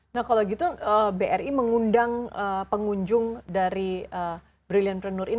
nah kalau gitu bri mengundang pengunjung dari brilliantpreneur ini